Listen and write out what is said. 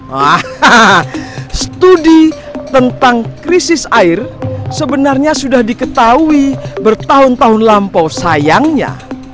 hahaha studi tentang krisis air sebenarnya sudah diketahui bertahun tahun lampau sayangnya